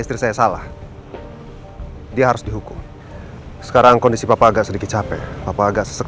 istri saya salah dia harus dihukum sekarang kondisi papa agak sedikit capek bapak agak